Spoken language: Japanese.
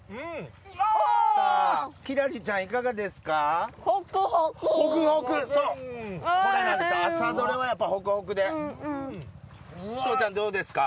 輝星ちゃん、いかがですか？